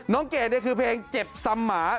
เกดเนี่ยคือเพลงเจ็บซ้ำหมา